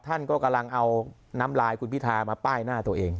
ท่านก็กำลังเอาน้ำลายคุณพิธามาป้ายหน้าตัวเอง